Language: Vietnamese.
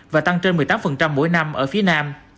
và tăng trên một mươi tám mỗi năm ở phía nam